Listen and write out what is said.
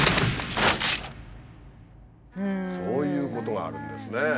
そういうことがあるんですね。